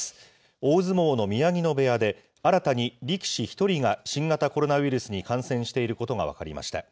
大相撲の宮城野部屋で新たに力士１人が新型コロナウイルスに感染していることが分かりました。